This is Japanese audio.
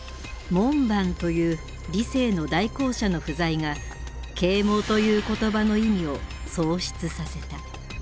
門番という理性の代行者の不在が「啓蒙」という言葉の意味を喪失させた。